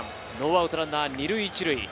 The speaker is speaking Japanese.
ノーアウトランナー２塁１塁。